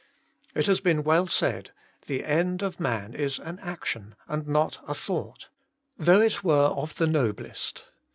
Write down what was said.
It has been well said :' The end of man is an Action and not a Thought, though it were of the noblest.'